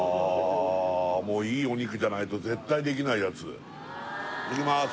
もういいお肉じゃないと絶対できないやついきます